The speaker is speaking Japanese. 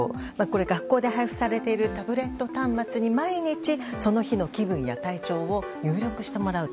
学校で配布されているタブレット端末に毎日、その日の気分や体調を入力してもらうと。